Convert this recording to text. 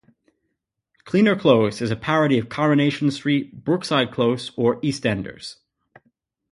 Cleaner Close is a parody of "Coronation Street", "Brookside Close" or "EastEnders".